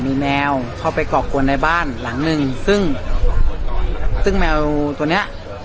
มีแมวเข้าไปก่อกวนในบ้านหลังนึงซึ่งซึ่งแมวตัวเนี้ย